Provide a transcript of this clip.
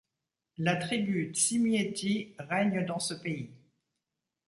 La tribu Tsimihety règne dans ce pays.